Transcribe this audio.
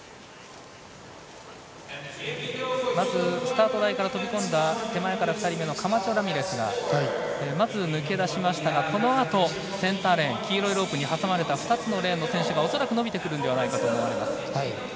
まずスタート台から飛び込んだ手前から２人目のカマチョラミレスがまず抜け出しましたがこのあとセンターレーン黄色いロープに挟まれた２つのレーンの選手が恐らく伸びてくるのではないかと思われます。